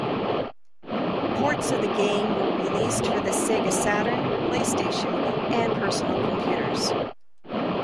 Ports of the game were released for the Sega Saturn, PlayStation and personal computers.